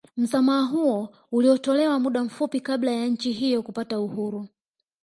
Msamaha huo ulitolewa muda mfupi kabla ya nchi hiyo kupata uhuru